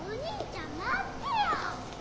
兄ちゃん待って！